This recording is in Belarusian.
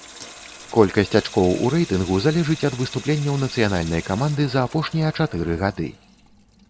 Колькасць ачкоў у рэйтынгу залежыць ад выступленняў нацыянальнай каманды за апошнія чатыры гады.